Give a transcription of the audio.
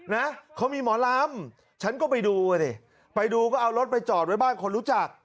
นะเขามีหมอลำฉันก็ไปดูอ่ะดิไปดูก็เอารถไปจอดไว้บ้านคนรู้จัก